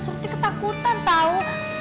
surti ketakutan tau